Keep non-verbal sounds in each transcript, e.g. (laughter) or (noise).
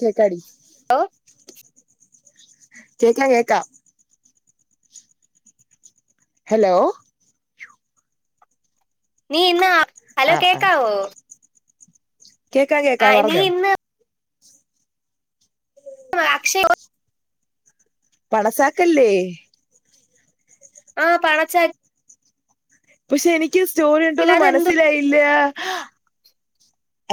കേക്കാടി (unintelligible) കേക്കാം കേക്കാം ഹെലോ നീ ഇന്നാ ഹലോ ആ ആ കേക്കാവോ കേക്കാം ആ കേക്കാം നീ പറഞ്ഞോ ഇന്ന് അക്ഷയ് പണസാക്കല്ലേ ആഹ് പണച്ചാ പക്ഷെ എനിക്കാ സ്റ്റോറി കണ്ട്ട്ടാെന്നും അതെന്തു മനസ്സിലായില്ലാ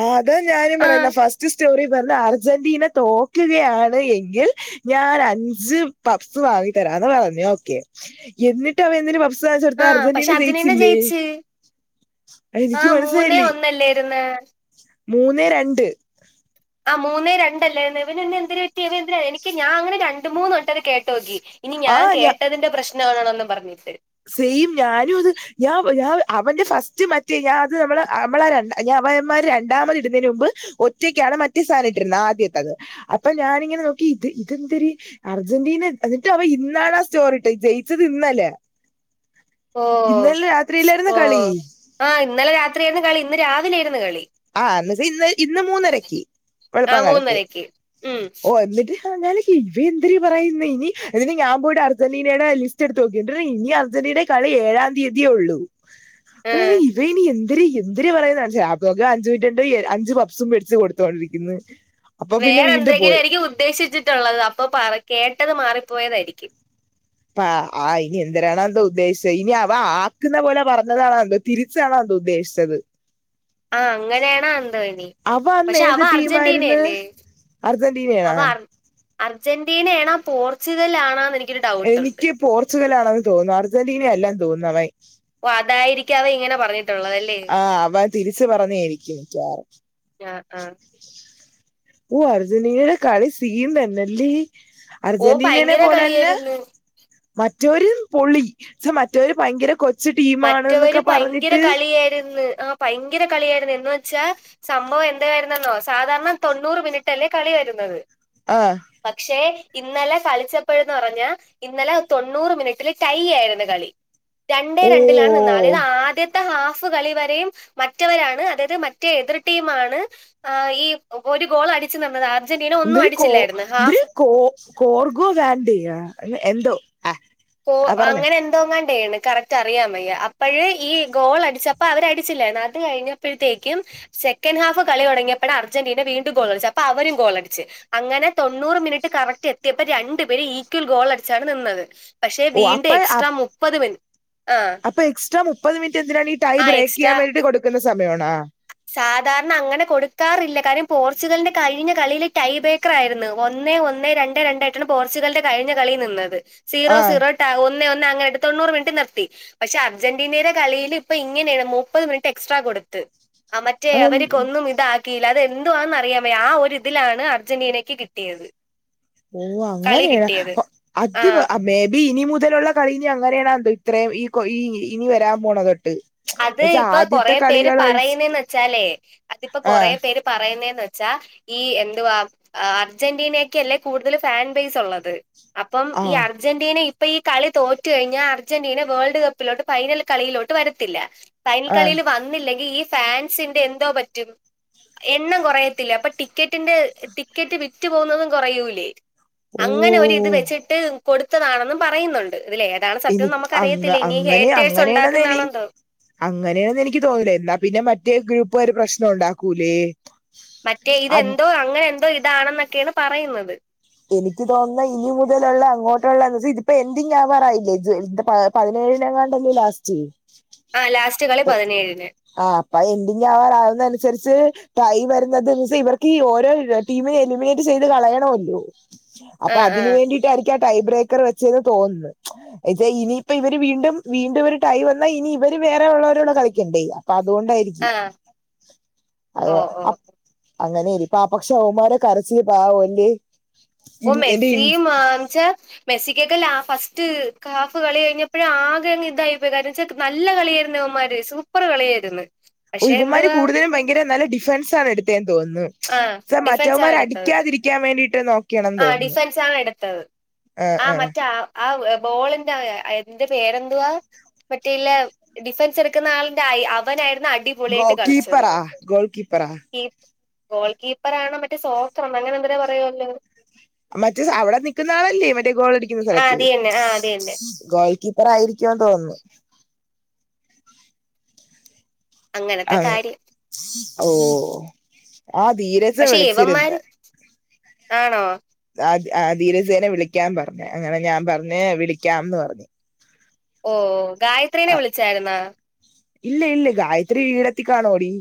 ആഹ് അതാ ഞാനും ആ പറയ്ന്നേ ഫസ്റ്റ് സ്റ്റോറി തന്നെ അർജന്റീന തോക്ക്കയാണ് എങ്കിൽ ഞാനഞ്ച് പപ്പ്സ് വാങ്ങി തരാന്ന് പറഞ്ഞു ഓക്കെ എന്നിട്ടവൻ എന്തിന് പപ്പ്സ് വാങ്ങിച്ച് ആ കൊട്ത്തേ പക്ഷെ അർജന്റീന ജയിച്ചില്ലേ ജയിച്ച് അത് ആ എനിക്ക് മൂന്നേ മനസ്സിലായില്ലേ ഒന്നല്ലേര്ന്ന് മൂന്നേ രണ്ട് ആഹ് മൂന്നേ രണ്ടല്ലേന്ന് ഇവെന് പിന്നെ എന്തെര് പെറ്റി ഇവൻ എന്തിനാ എനിക്ക് ഞാ അങ്ങനെ രണ്ട് മൂന്ന് വട്ടത് കേട്ടോക്കി ഇനി ആ ഞാൻ ഞാ കേട്ടതിന്റെ പ്രശ്നാണാേണെന്നും പറെഞ്ഞിട്ട് സെയിം ഞാനും അത് ഞാൻ ഞാ അവന്റെ ഫസ്റ്റ് മറ്റേ ഞാൻ അത് നമ്മള് നമ്മളെ രണ്ട ഞാൻ അവെന്മാര് രണ്ടാമത് ഇട്ന്നേയ്ന് മുമ്പ് ഒറ്റെയ്ക്കാണ് മറ്റേ സാനം ഇട്ടിര്ന്നേ ആദ്യത്തത് അപ്പം ഞാനിങ്ങെനെ നോക്കി ഇത് ഇതെന്തെര് അർജന്റീന എന്നിട്ട് അവൻ ഇന്നാണാ സ്റ്റോറിട്ടേ ജയിച്ചെത് ഇന്നെലേ ഓഹ് രാത്രിയിലായിരുന്നു കളി ഓഹ് ആഹ് ഇന്നെലെ രാത്രിയാര്ന്ന് കളി ഇന്ന് രാവിലേയ്ര്ന്ന് കളി ആഹ് അന്നെച്ച ഇന്ന് ഇന്ന് മൂന്നരയ്ക്ക് ആ വെളുപ്പാൻ കാലത്ത് മൂന്നരക്ക് ഉം ഓഹ് എന്നിട്ട് ആഹ് ഞാന് ഇവ എന്തെര് പറയ്ന്നെ ഇനി എന്നിട്ട് ഞാം പോയിട്ട് അർജെന്റീനേടെ ലിസ്റ്റെട്ത്ത് നോക്കി എന്തെര് ഡാ ഇനി അർജെന്റീനെ കളി ഏഴാം തിയ്യെതിയെ ഒള്ളൂ ആ പ്പ (unintelligible) ഇവ ഇനി എന്തെര് എന്തെര് പറയ്ന്നേ (unintelligible) പ്പോ രോ അഞ്ച് മിൻറ്റോണ്ട് എ അഞ്ച് പപ്പ്സും മേടിച്ച് കൊട്ത്തോണ്ട്‌രിക്ക്ന്ന് വേറെ എന്തെങ്കിലും ആയിരിയ്ക്കും ഉദ്ദേശിച്ചിട്ടുള്ളത് അപ്പോ പറ കേട്ടെത് മാറിപ്പോയതായ്രിക്കും ആഹ് ആഹ് ഇനി എന്തെരാണോ എന്തോ ഉദ്ദേശ്‌ച്ചേ ഇനി അവ ആക്ക്ന്ന പോലെ പർഞ്ഞതാണോ എന്തോ തിരിച്ചാണോ അത് ഉദ്ദേശ്‌ച്ചെത് ആഹ് അങ്ങനെയേണോ എന്തോനി അവ പക്ഷെ അവ അർജന്റീനെയെല്ലേ അർജെന്റീനേ ആഹ് അർജെന്റീനേണാ പോർച്ച്ഗല്ലാണാന്നെനി എനിയ്ക്ക് പോർച്ച്ഗല്ലാണെന്ന് തോന്നുന്നു അർജെന്റീന എല്ലാന്ന് തോന്നുന്നു അവൻ ഒഹ് അതായിരിക്കും അവൻ ഇങ്ങെനെ പറഞ്ഞി ആഹ് അവൻ തിരിച്ച് പറഞ്ഞേയ്രിക്കും മിയ്ക്കവാറും ഞാ ആഹ് ഓഹ് അർജെന്റീനെടെ കളി സീൻ തന്നെല്ലേ ഓ അർജെന്റീനേനെ ഭയങ്കര പോലെ തന്നെ കളിയായിരുന്നു മറ്റവര് പൊളി ച് മറ്റവര് ഭയ്ങ്കെര കൊ മറ്റവര് പയ്ങ്കര കളിയായ്ര്ന്ന് ആഹ് പയ്ങ്കര കളിയായ്ര്ന്ന് എന്ന് വെച്ചാ സംഭവം എന്തെരായ്ര്ന്നെന്നോ സാധാര്ണ തൊണ്ണൂറ് മിനിറ്റെല്ലേ കളി വെര്ന്നത് ആഹ് പക്ഷെ ഇന്നലെ കളിച്ചപ്പഴ്ന്ന് പറഞ്ഞാ ഇന്നലെ തൊണ്ണൂറ് മിനിട്ടില് ടൈയായ്ര്ന്ന് കളി രണ്ടേ ഓ രൺ അതായെത് ആദ്യെത്തെ ഹാഫ് കളി വരേം മറ്റെവെരാണ് അതായെത് മറ്റേ എതിർ ടീമാണ് ആഹ് ഈ ഒരു ഗോളടിച്ച് ന്‌ന്നെത് അർജെന്റീന ഒന്നും എന്തൊരു കോ അടിച്ചില്ലായ്ര്ന്ന് എന്തൊരു ഹാഫ് കോ കോർഗോ വേണ്ടെയാ (unintelligible) എന്തോ ആ കോ ആ പറഞ്ഞോ അങ്ങനെ ന്തോ ആണ്ടെണ് കറക്റ്റ് അറിയാൻ വയ്യ അപ്പഴ് ഈ ഗോൾ അടിച്ചപ്പോ അവര് അടിച്ചില്ലയിരുന്നു അത് കഴിഞ്ഞപ്പഴ്ത്തേക്കും സെക്കൻഡ് ഹാഫ് കളിതോടങ്ങിയപ്പോഴ അർജന്റീന വീണ്ടും ഗോളടിച്ചു അപ്പ അവരും ഗോളടിച്ച് അങ്ങനെ തൊണ്ണൂറ് മിനിറ്റ് കറക്റ്റ് എത്തിയപ്പ രണ്ടു പേരും ഈക്വൽ ഗോൾ അടിച്ചാണ് നിന്നത് പക്ഷെ ഓ വീണ്ടും എക്സ്ട്രാ മുപ്പത് മിന് അപ്പ എക്സ്ട്രാ മുപ്പത് മിനിറ്റ് എന്തിനാണ് ഈ ടൈ ആ ബ്രേക്കേയ്യാൻ വേണ്ടിട്ട് കൊടുക്കുന്ന സമയം ആണോ സാധാര്ണ അങ്ങന കൊടുക്കാറില്ല കാര്യം പോർച്ചുഗൽന്റെ കഴിഞ്ഞ കളീല് ടൈബേ ക്രായിര്ന്നു ഒന്നേ ഒന്നേ രണ്ടേ രണ്ടായിട്ടാണ് പോർച്ചുഗലിന്റെ കഴിഞ്ഞ കളി നിന്നത് സീറോ സീറോ ആ ഒന്നേ ഒന്നേ അങ്ങനെട്ട് തൊണ്ണൂറ് മിനുറ്റ് നിർത്തി പക്ഷെ അർജന്റീനയുടെ കളിയില് പ്പൊ ഇങ്ങനെയാണ് മുപ്പത് മിനിറ്റ് എക്സ്ട്രാ കൊടുത്ത് ആ മറ്റേ അവർക്കൊന്നും ഇത കീല അതെന്തുവാണന്ന്റിയാമേ ആ ഒരു തിലാണ് അർജന്റീനക്ക് കിട്ടിയത് ഓഹ് കളി അങ്ങനെയാ കിട്ടിയത് അത് ആ അ മേ ബി ഇനി മുതലുള്ള കളിഞ്ഞിഅങ്ങനെയണ എന്ത് ഇത്രയും ഈ ഈ ഇനി വരാൻ പോണതൊട്ട് അത് ഇപ്പൊ കൊറെ പേര് പറയുന്നേന്ന് ച്ചാലേ അതിപ്പോ ആ കൊറ പേര് പറയുന്നേന്ന് വെച്ചാ ഈ എന്തുവ അർജന്റീനയ്ക്കല്ലേ കൂടുതല് ഫാൻ ബേസുള്ളത് അപ്പം ആ ഈ അർ ജന്റീന ഇപ്പോ ഈ കളി തോറ്റുഴിഞ്ഞാ അർന്റീന വേൾഡ് കപ്പിലോട്ട് ഫൈനൽകളിയിലോട്ട് വരു തില്ല ഫൈനൽ ആ കളീല് വന്നില്ലെങ്കി ഈ ഫാൻസിന്റെ എന്തോ പറ്റും എണ്ണം കുറയത്തില്ല അപ്പൊ ടിക്കറ്റിന്റെ ടിക്കറ്റ് വിറ്റു പോകുന്നതും കുറയൂലേ ഓ അങ്ങനൊരിത് വെച്ചിട്ട് കൊടുത്തതാണെന്നും പറയുന്നു ഇതിലേതാണ് സത്യം എനിക്ക് അങ്ങ നമ്മക്കറിയത്തില്ല ഇനിങ്കി ഹേറ്റേഴ്സ് ഉണ്ടാക്കുന്നാണോ ന്തോ അങ്ങനെയാന്നെനിക്ക് തോന്നല എന്നാ പിന്നെ മറ്റേ ഗ്രൂപ്പാര് പ്രശ്നം ഉണ്ടാക്കൂലേ മറ്റേ അത് ഇതെന്തോ അങ്ങനെന്തോ ഇതാണെന്നൊക്കേണ് പറയുന്നത് എനിക്ക് തോന്ന ഇനി മുതല്ള്ള അങ്ങോട്ട്ള്ള എൻസി ഇത്പെൻഡിങ്ങാവാറായില്ലേ (unintelligible) പതിനേഴിനങ്ങാണ്ടല്ലേ ലാസ്റ്റ് ആഹ് ലാസ്റ്റ് കളി പതിനേഴിന് ആഹ് അപ്പ എൻഡിംഗാവാനാവുന്നൻസ്ര്ച് ടൈമരുന്നത് നുസി ഇവർക്ക് ഈ ഓരോര ടീമിനേം എലിമിനേറ്റ് ചെയ്ത് കളയാണോല്ലോ ആ അപ്പൊ ആ അതിന് വേണ്ടിട്ടായിരിക്കാം ടൈംബ്രേക്കർ വെചേന്ന് തോനന്ന് ഇത് ഇനിയിപ്പ ഇവര് വീണ്ടും വീണ്ടുമൊരു ടൈ വന്നാ ഇനി ഇവര് വേറെ ഉള്ളോരോട് കളിക്കണ്ടേ അപ്പൊ അതുകൊണ്ടായിരി ആ ഓ അഹ് ഓ അപ് അങ്ങനെല്ലിപ്പാ പക്ഷെ മ്മാടെ കരച്ചി പാവോല്ലേ ഓഹ് മെസ്സിയും മാംച്ച മെസ്സിക്കൊക്കെല്ലാ ഫസ്റ്റ് കാഫ് കളി കഴിഞ്ഞപ്പഴ് ആകെങ്ങ് ഇതായിപ്പോയി ചക്ക് നല്ല കളിയായിരുന്നവന്മാര് സൂപ്പർ കളിയായിരുന്നു ഓ പക്ഷെ ഇവമാര് എന്തുവാ കൂടുതലും ഭയങ്കര നല്ല ഡിഫൻസ് ആണ് എടുത്തേന്ന് തോന്നുന്നു ആ സ ഡിഫൻസ് ആണ് മറ്റവന്മാര് എടുത്തത് അടിക്കാതിരിക്കാൻ വേണ്ടിട്ട് നോക്കിയണം ആ തോന്നുന്നു ഡിഫൻസ് ആണ് എടുത്തത് ആഹ് ആ ആഹ് മറ്റേ ആ ആ ബോളിന്റെ എന്ത് പേരെന്തുവാ മറ്റെയ്ല് ഡിഫൻസ് എടുക്കുന്ന ആളന്റെ ആ അവനായിരുന്ന അടി ഗോ കീപ്പറ ഗോൾ കിപ്പറ ഗോൾകീപ്പറാണോ മറ്റേ സോഫ്ർ അങ്ങനെന്തരോ പറയൂല്ലോ മറ്റേ അവിടെ നിക്കുന്ന ആളല്ലേ മറ്റേ ഗോൾടിക്കുന്ന ആ സ്ഥലത്ത് അത് തന്നെ ആ അത് തന്നെ ഗോൾ കി പറായിരിക്കുംന്ന് തോന്ന്ന്നു അങ്ങനത്തെ ആഹ് കാര്യം ഓ ആഹ ദീരെ പക്ഷെ ഇവന്മാര് ആണോ? ആ ആ ധീരസേന വിളിക്കാൻ പറഞ്ഞ അങ്ങനെ ഞാൻ പറഞ്ഞ വിളിക്കാംന്ന് പറഞ്ഞ് ഓ ഗായത്രീനെ ആഹ് വിളിച്ചായിരുന്നാ? ഇല്ല ഇല്ല ഗായത്രി വീടത്തിക്കാണോടി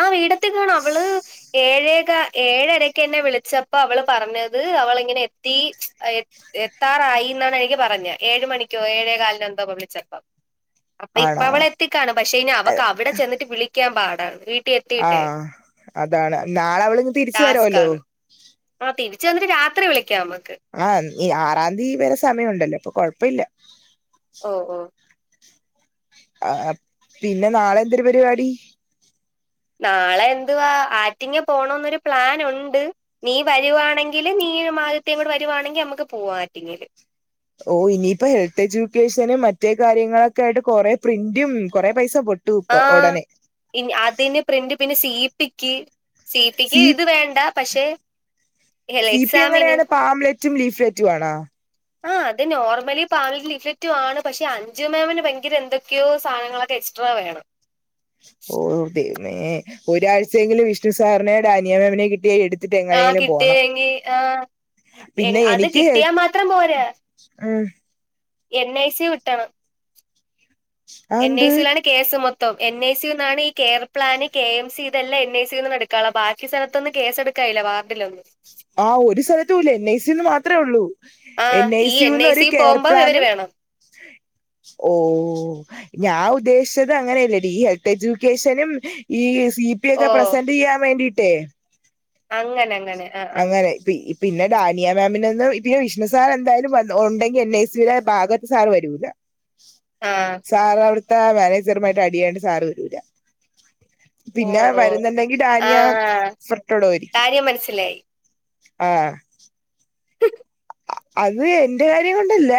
ആ വീടെത്തി കാണോ അവള് ഏഴേക്കെ ഏഴരക്ക എന്നെ വിളിച്ചപ്പോ അവള് പറഞ്ഞത് അവളിങ്ങനെ എത്തി എ എത്താറായി എന്നാണ് എനിക്ക് പറഞ്ഞത് ഏഴ് മണിക്കോ ഏഴേ കാലി എന്തോ വിളിച്ചപ്പം അപ്പൊ ഇപ്പ ആണോ അവള എത്തിക്കാണ് പക്ഷേ ഇനി അവക്ക് അവിടെ ചെന്നിട്ട് വിളിക്കാൻ പാടാണ് വീ ആ അതാണ്. നാളെ അവൾ തിരിച്ചു ടാസ്ക് വരോല്ലോ. ആണ് ആ തിരിച്ച് അവർ രാത്രി വിളിക്കാം നമ്മക്ക്. ആഹ. ഈ ആറാംന്തി വരെ സമയണ്ടല്ലോ അപ്പൊ കൊഴപ്പല്ല. ഓ ഓ. ആ പിന്നെ നാളെ എന്തൊരു പരിപാടി? നാളെ എന്തുവാ ആറ്റിങ്ങ പോണന്നൊരു പ്ലൻ ഉണ്ട്. നീ വരുവാണെങ്കിൽ നീ ആദ്യത്തേ കൂടെ വരുവാണെങ്കിൽ നമ്മുക്ക് പോവാ ആറ്റിങ്ങല്. ഓ ഇനിയിപ്പോ ഹെൽത്ത് എഡ്യൂക്കേഷനും മറ്റേ കാര്യങ്ങളൊക്കെ ആയിട്ട് കൊറെ പ്രിന്റും കൊറെ പൈസ പൊട്ടു- ട്ടുപ്പ ആഹ് ഉടനെ. ഇനി അതിന് പ്രിന്റ് പിന്നെ സി പിക്ക്. സി പിക്ക് ഇത് വേണ്ട. പക്ഷെ, സി പി എക്സാമിന് എങ്ങനെയാണ് പാംലെറ്റും ലീഫ്ലെറ്റും ആണോ? ആ. അത് നോർമലി പാമും ലീഫക്റ്റ ആണ്. പക്ഷെ അഞ്ചു മേമ്ന് ഭയങ്കര എന്തൊക്ക. ഒക്കെയോ സാധനങ്ങളൊക്കെ എക്സ്ട്രാ വേണം. ഓ പിന്നേ. ഒരാഴ്ചയെങ്കിലും വിഷ്ണു സാറിനെ ഡാനിയമേമ്നെ കിട്ടിയ എടു- ത്തിട്ട് ആഹ് എങ്ങനെങ്കിലും പോണം. കിട്ടിയെങ്കി ആഹ് പിന്നെ അത് എനിക്ക്- കിട്ടിയാ മാത്രം പോരാ ഉം. എൻ ഐ സി വിട്ടണം. എൻ ഐ അതെന്ത് സിയിലാണ് കേസ് മൊത്തം. എൻ ഐ സി ന്നാണ് ഈ care plan, K M C ഇതെല്ലാം എൻ ഐ സിന്ന് എടു - ബാക്കി സ്ഥലത്തൊന്ന് കേസെടുക്കായില്ല. വാർഡിലൊന്നും. ആഹ് ഒരു സ്ഥലത്തൂല്ല. എൻ ഐ സില് മാത്രേ ഉള്ളൂ. ആ. ഈ എൻ സിയുന്ന് ഐ ഒരു സി കെയർ പോകുമ്പോം പ്ലാന് ഇവര് വേണം. ഓ. ഞാൻ ഉദ്ദേശിച്ചത് അങ്ങനെല്ലടീ. ഈ ഹെൽത്ത് എഡ്യൂക്കേഷനും ഈ സ- ഓ ഒക്കെ പ്രസെന്റ് ചെയ്യാൻ വേണ്ടിയിട്ടേ? അങ്ങനെ അങ്ങനെ. ആ ആ അങ്ങനെ ഇപ്പി. പിന്നെ ഡാനിയാ മാമിനൊന്നും ഇപ്പ വിഷ്ണു സാർ എന്തായാലും ഉണ്ടെങ്കി എൻ ഐ സിടെ ഭാഗത്ത് സാർ വരൂല്ല. ആഹ് സാർ അവിടുത്തെ മാനേജറമായിട്ട് അടിയായേണ്ട് സാറ് വരൂല. ഓ പിന്നെ ഓ വരുന്നുണ്ടെങ്കി ആ ഡാനിയ ഫ്രട്ടോടയിരിക്കും. കാര്യം മനസ്സിലായി. ആഹ്. (inaudible) അത് എന്റെ കാര്യം കൊണ്ടല്ല.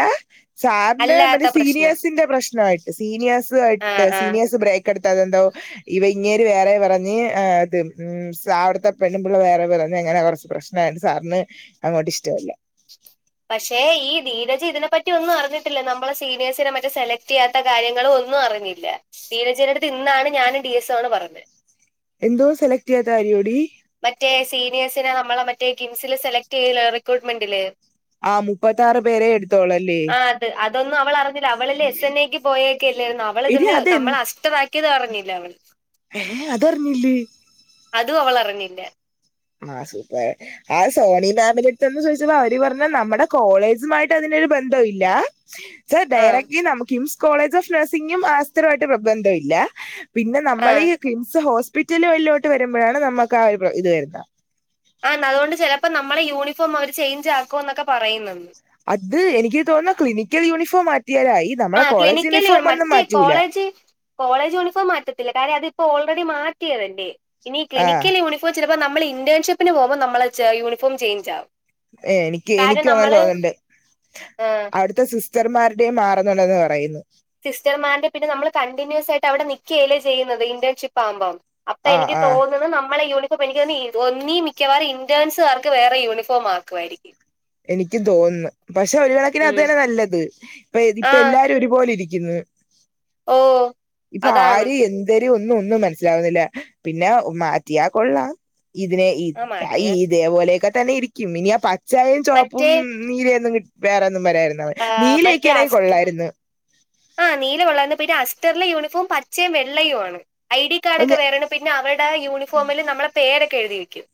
സാറിന്റെ അല്ലാത്ത മറ്റേ പ്രശ്നം സീനിയേഴ്സിന്റെ പ്രശ്നയിട്ട്. സീനിയേഴ്സ് ആ ആയിട്ട്. ആ സീനിയേഴ്സ് ബ്രേക്ക് എടുത്താ അതെന്തോ? ഇങ്ങേര് വേറെ പറഞ്. ഉ അവിടുത്തെ പെണ്ണുംപിള്ള വേറെ പറഞ്ഞു. അങ്ങനെ കുറച്ച് പ്രശ്നം. ആഹ് സാറിന് അങ്ങോട്ട് ഇഷ്ടവല്ല. പക്ഷെ ഈ ധീരജ് ഇതിനെപ്പറ്റി- പറ്റി ഒന്നും അറിഞ്ഞിട്ടില്ല. നമ്മളെ സീനിയേഴ്സിനെ മറ്റെ സെലക്ട് ചെയ്യാത്ത കാര്യങ്ങളും ഒന്നും അറിഞ്ഞില്ല. ധീരജ്നടുത്ത് ഇന്നാണ് ഞാനും ഡി എസ് ണ് പറഞ. എന്തോ സെലക്ട് ചെയ്യാത്ത കാരിയോടി? മറ്റേ സീനിയേഴ്സിനെ നമ്മളെ മറ്റേ കിംസില് സെലക്ട് ചെയ്ല്ലെ റിക്രൂട്ട്മെന്റില്. ആ മുപ്പത്താറ് പേരെ എടുത്തോളല്ലേ ആഹ് അത്. അതൊന്നും അവളറിഞ്ഞില്ല. അവളല്ല എസ് എൻ എക്ക്. പോയൊക്കെല്ലായിരുന്നോ. അവള് എടി ഇതിന് അതെ നമ്മൾ അഷ്ടറക്കിയത് അറഞ്ഞില്ല അവള്. ഏഹ് അതറിഞ്ഞില്ലേ? അതും അവളറിഞ്ഞില്ല. ആഹ് സൂപ്പർ. ആ സോണി മാമിനടുത്തന്ന് ചോദിച്ചപ്പോ അവര് പറഞ്ഞു. നമ്മുടെ കോളേജുമായിട്ട് അതിനരു ബന്ധം ഇല്ല. സൊ ആ ഡയറക്റ്റ്ലി നമു- കോളേജ് ഓഫ് നഴ്സിംഗും ആസ്ഥത്രമായിട്ട് ബന്ധമില്ല. പിന്നെ ആ നമ്മൾ ഈ- കിംസ് ഹോസ്പിറ്റലുഴിലോട്ട് വരുമ്പോഴാണ് നമ്മുക്ക് ആ ഒരു ഇത് വരുന്നത്. ആഹ്ന്ന് അത് കൊണ്ട് ചിലപ്പോ ന മ്മള് യൂണിഫോം അവര് ചേഞ്ച് ആക്കുമെന്നൊക്കെ പറയുന്നെന്ന്. അത് എനിക്ക് തോന്നുന്നു ക്ലിനിക്കൽ യൂണിഫോം മാറ്റിയാലായി. ആ നമ്മളെ കോളേജ് ക്ലിനിക്കൽ യൂണിഫോം ഒന്നും മറ്റേ മാറ്റൂല. കോളേജ് കോളേജ് യൂണിഫോം മാറ്റത്തില്ല. കാരണം അതിപ്പോൾ ഓൾറെഡി മാറ്റിയതല്ലേ. ഇനി ആ ക്ലിനിക്കൽ യൂണി ഫോം ചിലപ്പോ നമ്മൾ ഇന്റേൺഷിപ്പിന് പോകുമ്പോ നമ്മളെ യൂണിഫോം ച ചേഞ്ച് ആവും. ഏഹ് എനിക്ക് കാര്യം എനിക്കും അങ്ങനെ നമ്മള് തോന്നണ്ട്. അടു ത്തെ സിസ്റ്റർമാരുടെയും മാറുന്നുണ്ടെന്ന് പറയുന്നു. സിസ്റ്റർമാരുടെ പിന്നെ നമ്മൾ കണ്ടിന്യൂസ് ആയിട്ട് അവിടെ നിക്കയല്ലേ ചെയ്യുന്നത് ഇന്റേൺഷിപ്പ് ആവുമ്പോം. അപ്പൊ ആ എനിക്ക് ആ തോന്നണ് നമ്മളെ യൂണി ഫോം എനിക്കു തോന്നി ഒന്നീ മിക്കവാറും ഇന്റേൻസുകാർക്ക് വേറെ യൂണിഫോം ആക്കുമായിരിക്കും. എനിക്കും തോന്നുന്ന്. പക്ഷെ ഒരു കണക്കിന് അതു ഉം തന്നെ നല്ലത്. ഇപ്പ ആ ഇപ്പൊ എല്ലാരും ഒരുപോലെരി ക്കുന്ന്. ഓ ഇപ്പൊ അതാണ് ആര് എ ന്തര് ഒന്നും ഒന്നും മനസ്സിലാവുന്നില്ല. പിന്നെ മാറ്റിയാ കൊള്ളാം. ഇതിനെ ഇത ആ മാറ്റിയ ഇതേ പോലെയൊക്കെ തന്നെ ഇരിക്കും. ഇനി ആഹ് പച്ചായും ചുവപ്പും മറ്റേ നീലയൊന്നും കി വേറൊന്നും വരാതിരുന്നാ. നീലയൊക്കെയാണേ കൊള്ളായിരുന്ന്. ആഹ് നീല കൊള്ളായിരുന്ന്. പിന്നെ അസ്റ്ററിലെ യൂണിഫോം പച്ചയും വെള്ളയും ആണ്. ഐ ഡി കാർഡ് ഒക്കെ വേറെയാണ്. പിന്നെ അവരുടെ യൂണിഫോമിൽ നമ്മളെ പേരൊക്കെ എഴുതി വയ്ക്കും.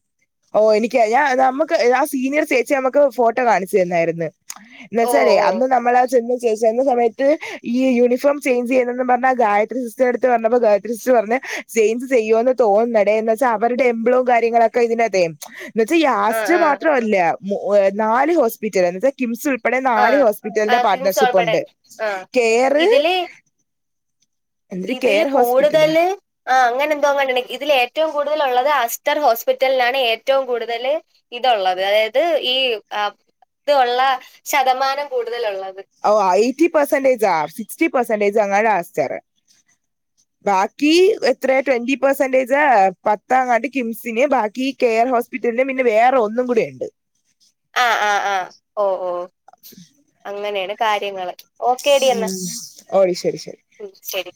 ഓഹ് എനിക്ക് ഞാൻ നമുക്ക് ആഹ് സീനിയർ ചേച്ചി നമുക്ക് ഫോട്ടോ കാണിച്ചു തന്നായിരുന്നു. ഓ എന്നുവെച്ചാലേ ഓ അന്ന് നമ്മളാ ചെന്ന് ചെന്ന സമയത്ത് ഈ യൂണിഫോം ചെയ്ഞ്ച് ചെയ്യണന്നും പറഞ്ഞ് ഗായത്രി സിസ്റ്റർടെടുത്ത് പറഞ്ഞപ്പോ ഗായത്രി സിസ്റ്റർ പറഞ്ഞ് ചെയ്ഞ്ച് ചെയ്യൂന്ന് തോന്നുന്നടേ എന്ന് വെച്ചാ അവരുടെ എംബ്ലോവും കാര്യങ്ങളൊക്കെ ഇതിന ത്തെ എന്നു വെച്ചാ ഈ ആ ആസ്‌റ്റർ ആ മാത്രമല്ല മോ നാല് ഹോസ്പിറ്റൽ എന്നുവെച്ചാ കിംസ് ഉൾപ്പെടെ ആ നാല് ആ ഹോസ്പിറ്റലിന്റെ കിങ്സ് പാർട്ട്ണർഷിപ്പ് ഉൾപ്പെടെ ഉണ്ട്. ആ കെയറ് ഇതില് ഇതില് കെയർ ഹോസ്പിറ്റല് കൂടുതല് ആഹ് അങ്ങനെ എന്തോങ്ങാണ്ട് ഉണ്ട്. ഇതില് ഏറ്റവും കൂടുതൽ ഉള്ളത് ആസ്റ്റർ ഹോസ്പിറ്റലിലാണ് ഏറ്റവും കൂടുതല് ഇതുള്ളത്. അതായത് ഈ ആഹ് ഇത് ഉള്ള ശതമാനം കൂടുതലുള്ളത്. ഓഹ് എയ്റ്റി പെർസെന്റേജാ സിസ്റ്റി പേഴ്‌സ്ൻ്റേജാ എങ്ങാനും ആസ്റ്ററ്. ബാക്കി എത്രേ ട്വന്റി പെർസെന്റേജ് പത്തെങ്ങാണ്ട് കിംസിന്. ബാക്കി കെയർ ഹോസ് പിറ്റലിന് പിന്നെ വേറെ ഒന്നും കൂടി ഇണ്ട്. ആഹ് ആഹ് ആഹ് ഓഹ് ഓഹ് അങ്ങനെയാണ് കാര്യങ്ങള്. ഓക്കേടി ഉം എന്നാ ഓഹ് ശരി ശരി. ഉം ശരി.